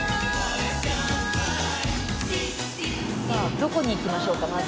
さあどこに行きましょうか？